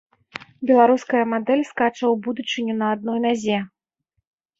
Беларуская мадэль скача ў будучыню на адной назе.